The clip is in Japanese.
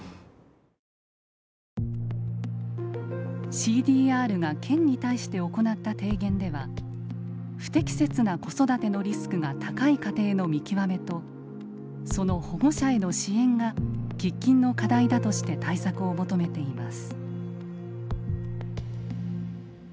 ＣＤＲが県に対して行った提言では不適切な子育てのリスクが高い家庭の見極めとその保護者への支援が喫緊の課題だとして対策を求めています。